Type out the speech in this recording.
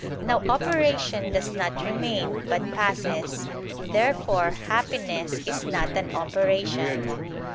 Now operation does not remain, but passes. Therefore happiness is not an operation.